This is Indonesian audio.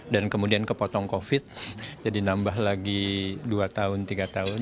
dan kemudian kepotong covid jadi nambah lagi dua tahun tiga tahun